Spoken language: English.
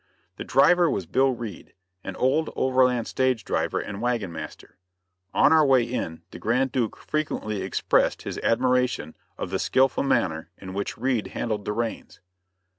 The driver was Bill Reed, an old overland stage driver and wagon master; on our way in, the Grand Duke frequently expressed his admiration of the skillful manner in which Reed handled the reins.